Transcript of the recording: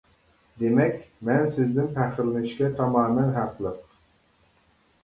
دېمەك، مەن سىزدىن پەخىرلىنىشكە تامامەن ھەقلىق.